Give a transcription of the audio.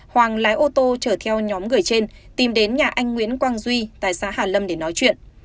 hoàng lái ô tô chở theo nhóm người trên tìm đến nhà anh nguyễn quang duy tại xã hà lâm để nói chuyện